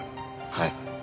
はい。